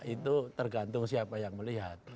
itu tergantung siapa yang melihat